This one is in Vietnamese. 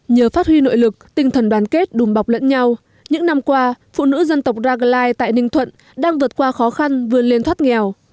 nhờ phát huy nội lực tinh thần đoàn kết đùm bọc lẫn nhau những năm qua phụ nữ dân tộc raglai tại ninh thuận đang vượt qua khó khăn vươn lên thoát nghèo